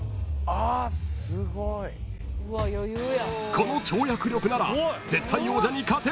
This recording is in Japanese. ［この跳躍力なら］